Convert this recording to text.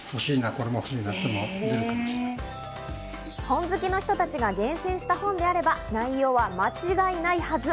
本好きの人たちが厳選した本であれば、内容は間違いないはず。